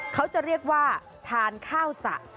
เขาจะเรียกว่าทานข้าวสระ